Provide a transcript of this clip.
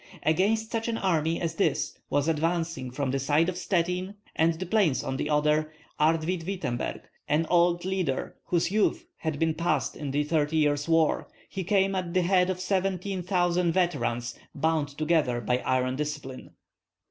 Against such an army as this was advancing from the side of Stettin and the plains on the Oder, Arwid Wittemberg, an old leader, whose youth had been passed in the thirty years' war; he came at the head of seventeen thousand veterans bound together by iron discipline.